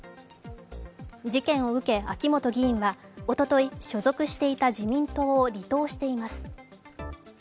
事件を受け、秋本議員はおととい所属していた自民党を離党しています。